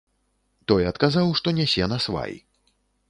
Той адказаў, што нясе насвай.